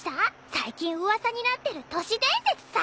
最近噂になってる都市伝説さ。